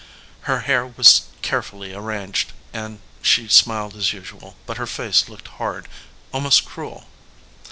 Her hair was carefully arranged, and she smiled as usual, but her face looked hard, almost cruel.